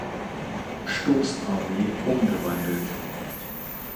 Stoßarmee umgewandelt.